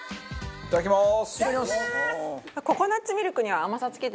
いただきます！